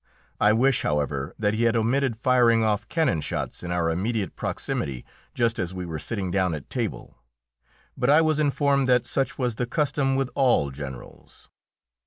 I wish, however, that he had omitted firing off cannon shots in our immediate proximity just as we were sitting down at table, but I was informed that such was the custom with all generals.